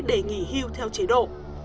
để nghỉ hưu theo chế độ